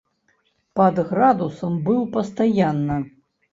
Пад градусам быў пастаянна.